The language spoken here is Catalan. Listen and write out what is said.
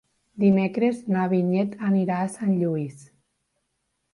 Dimecres na Vinyet anirà a Sant Lluís.